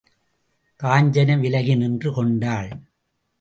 காஞ்சனை விலகி நின்று கொண்டாள்.